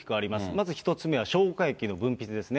まず１つ目は消化液の分泌ですね。